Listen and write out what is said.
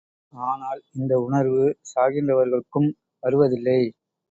ஆனால், இந்த உணர்வு சாகின்றவர்களுக்கும் வருவதில்லை.